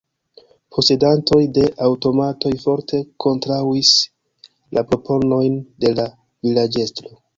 Posedantoj de aŭtomatoj forte kontraŭis la proponojn de la vilaĝestro.